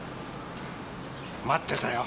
待ってたよ。